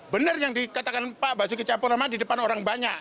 benar yang dikatakan pak basuki cahapurnama di depan orang banyak